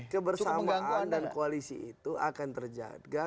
kebersamaan dan koalisi itu akan terjaga